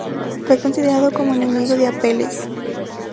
Fue considerado como enemigo de Apeles.